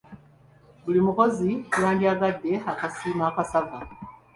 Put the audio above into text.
Buli mukozi yandyagadde okasiimo akasava.